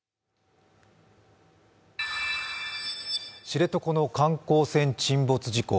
知床の観光船沈没事故。